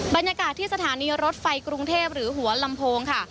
บรรยากาศที่สถานีรถไฟกรุงเทพหรือหัวลำโพงค่ะ